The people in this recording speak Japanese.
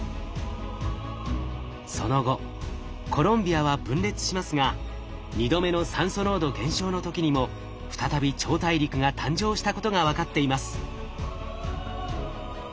その後コロンビアは分裂しますが２度目の酸素濃度減少の時にも再び超大陸が誕生したことが分かっています。